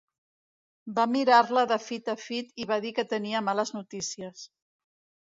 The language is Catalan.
Va mirar-la de fit a fit i va dir que tenia males notícies